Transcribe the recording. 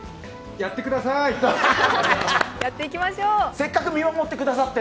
やってください！